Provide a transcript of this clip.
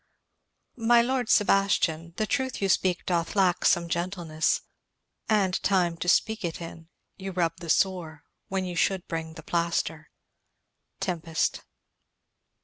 My lord Sebastian, The truth you speak doth lack some gentleness And time to speak it in: you rub the sore. When you should bring the plaster. Tempest.